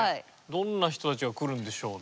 どんな人たちが来るんでしょうね。